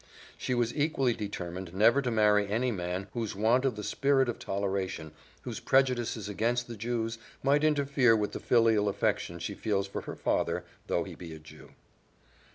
She was equally determined never to marry any man whose want of the spirit of toleration, whose prejudices against the Jews, might interfere with the filial affection she feels for her father though he be a Jew."